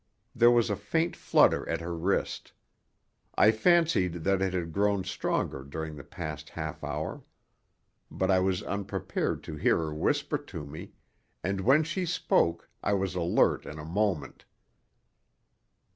There was a faint flutter at her wrist. I fancied that it had grown stronger during the past half hour. But I was unprepared to hear her whisper to me, and when she spoke I was alert in a moment.